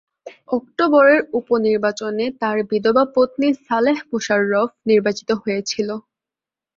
অক্টোবরের উপনির্বাচনে তার বিধবা পত্নী সালেহ মোশাররফ নির্বাচিত হয়েছিল।